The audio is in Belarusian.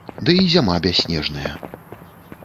Ды й зіма бясснежная!